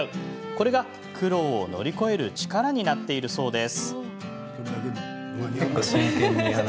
これが苦労を乗り越える力になっているそうです。